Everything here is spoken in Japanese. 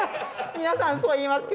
皆さんそう言いますけど。